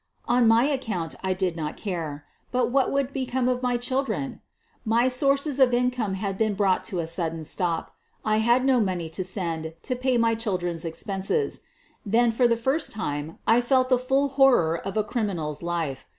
On my account I did not care — but what would become of my children? My sources of income had been brought to a sudden stop. I had no money to send to pay my children's expenses. Then, for the first time, I felt the full horror of a criminal's life.